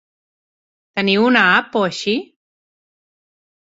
Teniu una app o així?